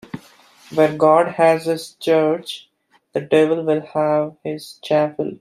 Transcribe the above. Where God has his church, the devil will have his chapel.